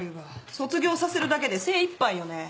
卒業させるだけで精いっぱいよね。